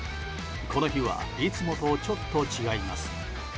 この日はいつもとちょっと違います。